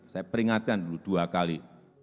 saya peringatkan dulu dua kali